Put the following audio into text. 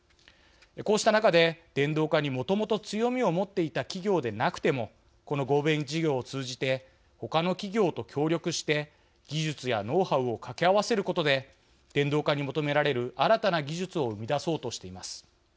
こうした中で、電動化にもともと強みを持っていた企業でなくてもこの合弁事業を通じて他の企業と協力して、技術やノウハウを掛け合わせることで電動化に求められる新たな技術を生み出そうとしています。